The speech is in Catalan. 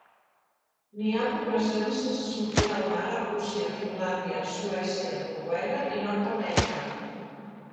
N'hi ha poblacions sense sortida al mar a Rússia, Finlàndia, Suècia, Noruega i Nord-amèrica.